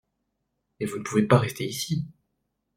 Mais vous ne pouvez rester ici !